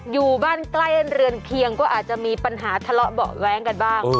อยู่บ้านใกล้เรือนเคียงก็อาจจะมีปัญหาทะเลาะเบาะแว้งกันบ้าง